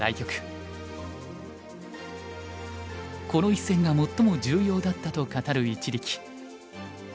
この一戦が最も重要だったと語る一力。